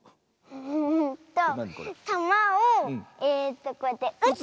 うんとたまをえとこうやってうつ。